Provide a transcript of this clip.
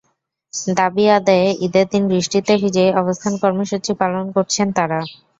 দাবি আদায়ে ঈদের দিন বৃষ্টিতে ভিজেই অবস্থান কর্মসূচি পালন করছেন তাঁরা।